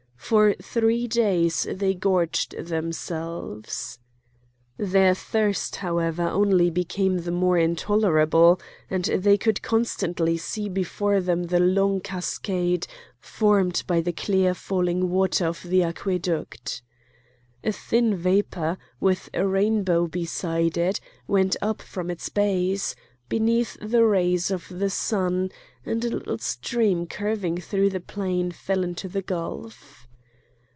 For three days they gorged themselves. Their thirst, however, only became the more intolerable, and they could constantly see before them the long cascade formed by the clear falling water of the aqueduct. A thin vapour, with a rainbow beside it, went up from its base, beneath the rays of the sun, and a little stream curving through the plain fell into the gulf.